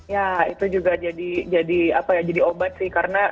ya itu juga jadi obat sih karena walaupun gak ada yang nonton tetep chemistry sama lainnya gitu ya